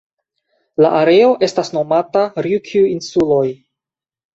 La areo estas nomata Rjukju-insuloj.